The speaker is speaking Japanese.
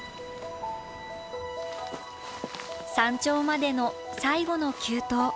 山頂までの最後の急登。